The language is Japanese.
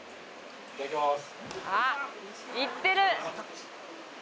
いただきます。